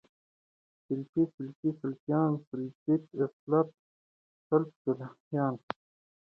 سلفي، سلفۍ، سلفيان، سلفيَت، اسلاف، سلف صالحين